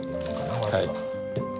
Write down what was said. はい。